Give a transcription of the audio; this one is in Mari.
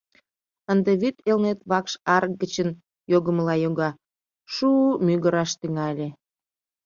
Ынде вӱд Элнет вакш арык гычын йогымыла йога, шу-у-у мӱгыраш тӱҥале.